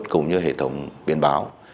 cũng như hệ thống biển báo